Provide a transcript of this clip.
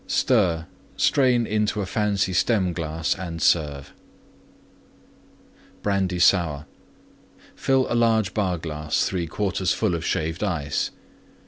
Stir; strain into fancy Stem glass and serve. BRANDY SOUR Fill large Bar glass 3/4 full Shaved Ice.